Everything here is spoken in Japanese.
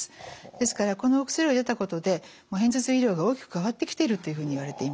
ですからこのお薬を得たことで片頭痛医療が大きく変わってきているというふうにいわれています。